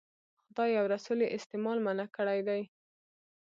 خدای او رسول یې استعمال منع کړی دی.